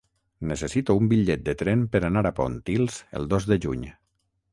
Necessito un bitllet de tren per anar a Pontils el dos de juny.